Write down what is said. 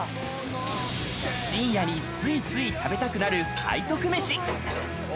深夜についつい食べたくなる背徳メシ。